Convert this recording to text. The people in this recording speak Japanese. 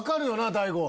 大悟。